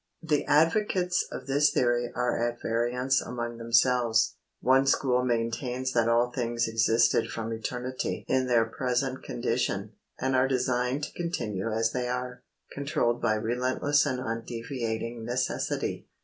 The advocates of this theory are at variance among themselves. One school maintains that all things existed from eternity in their present condition, and are destined to continue as they are, controlled by relentless and undeviating necessity.